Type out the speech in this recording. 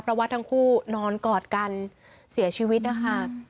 เพราะว่าทั้งคู่นอนกอดกันเสียชีวิตนะคะ